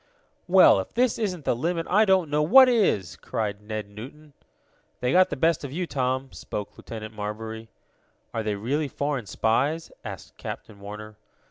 "Well, if this isn't the limit I don't know what is!" cried Ned Newton. "They got the best of you, Tom," spoke Lieutenant Marbury. "Are they really foreign spies?" asked Captain Warner.